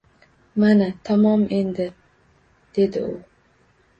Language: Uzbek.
— Mana... tamom endi... — dedi u.